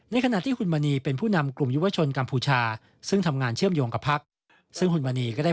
เพิ่งได้รับการเลื่อนเป็นหัวหน้าฝ่ายข่าวกรองของกองทัพเมื่อปีที่แล้ว